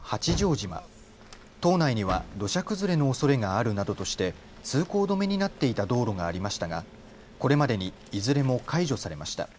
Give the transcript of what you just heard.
島内には土砂崩れのおそれがあるなどとして通行止めになっていた道路がありましたがこれまでにいずれも解除されました。